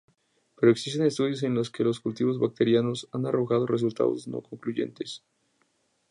Pero existen estudios en los que los cultivos bacterianos han arrojado resultados no concluyentes.